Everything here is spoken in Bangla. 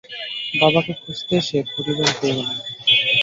বাবাকে খুজঁতে এসে পরিবার পেয়ে গেলাম।